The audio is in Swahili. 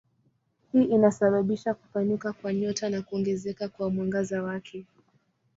Hii inasababisha kupanuka kwa nyota na kuongezeka kwa mwangaza wake.